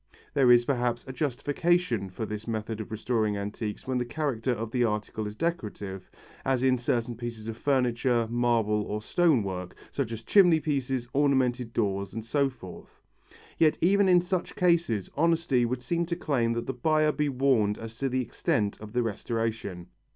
There is, perhaps, a justification for this method of restoring antiques when the character of the article is decorative, as in certain pieces of furniture, marble or stone work, such as chimney pieces, ornamented doors and so forth. Yet even in such cases honesty would seem to claim that the buyer be warned as to the extent of the restoration.